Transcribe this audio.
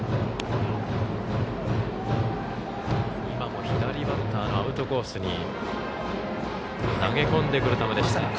今も左バッターのアウトコースに投げ込んでくる球でした。